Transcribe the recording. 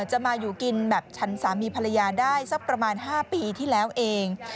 จะมาอยู่กินแบบฉันสามีภรรยาได้สักประมาณ๕ปีที่แล้วเอง